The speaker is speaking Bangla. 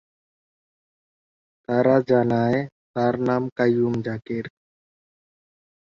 তারা জানায়, তার নাম কাইয়ুম জাকির।